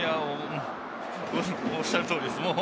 おっしゃる通りです。